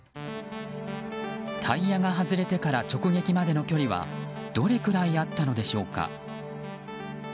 タイヤが外れてから直撃までの距離はどれくらいあったのでしょうか。